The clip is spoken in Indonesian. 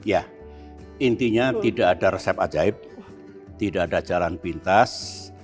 ya intinya tidak ada resep ajaib tidak ada jalan pintas